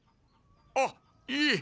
あっいえ。